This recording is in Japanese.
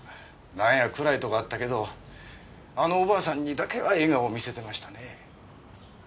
なんや暗いとこあったけどあのおばあさんにだけは笑顔見せてましたね。